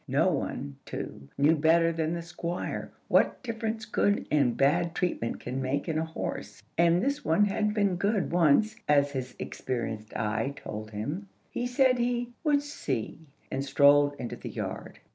No one, too, knew better than the Squire what difference good and bad treatment can make in a horse, and this one had been good once, as his experienced eye told him. He said he "would see," and strolled into the yard.